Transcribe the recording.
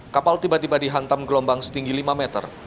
kapal tiba tiba dihantam gelombang setinggi lima meter